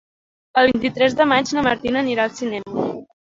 El vint-i-tres de maig na Martina anirà al cinema.